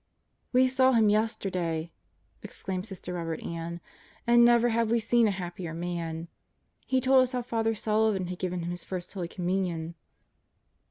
"We saw him yesterday," exclaimed Sister Robert Ann, "and never have we seen a happier man! He told us how Father Sullivan had given him his First Holy Communion."